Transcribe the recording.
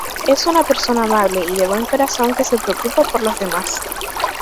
Es una persona amable y de buen corazón que se preocupa por los demás.